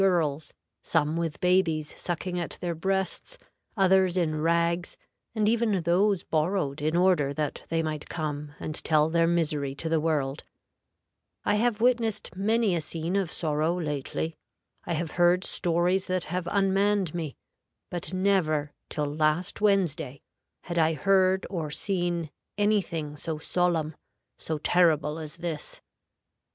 There, in the dim haze of the large bare room in which they met, sat women and girls, some with babies sucking at their breasts, others in rags, and even those borrowed in order that they might come and tell their misery to the world. I have witnessed many a scene of sorrow lately; I have heard stories that have unmanned me; but never, till last Wednesday, had I heard or seen any thing so solemn, so terrible as this.